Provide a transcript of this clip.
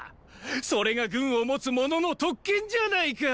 それが軍を持つ者の特権じゃないか！